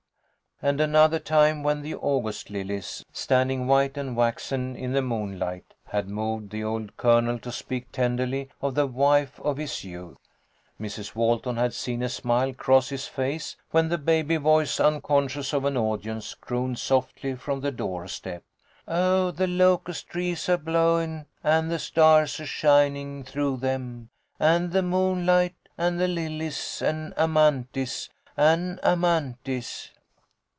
" And another time when the August lilies, stand ing white and waxen in the moonlight, had moved the old Colonel to speak tenderly of the wife of his youth, Mrs. Walton had seen a smile cross 174 THE LITTLE COLONEL'S HOLIDAYS. his face, when the baby voice, unconscious of an ludience, crooned softly from the door step, "Oh, the locus' trees a blowin', an' the stars a shinin' through them, an' the moonlight an* the lilies, an Amanthis! An' Amanthis!"